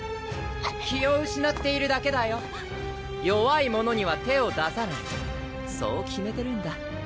・気をうしなっているだけだよ・弱いものには手を出さないそう決めてるんだ